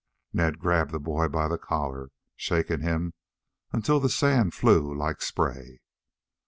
Ned grabbed the boy by the collar, shaking him until the sand flew like spray.